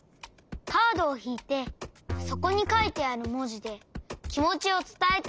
カードをひいてそこにかいてあるもじできもちをつたえて！